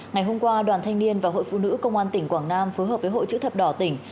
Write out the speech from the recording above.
ngày hôm qua đoàn thanh niên và hội phụ nữ công an tỉnh quảng nam phối hợp với hội chữ thập đỏ tỉnh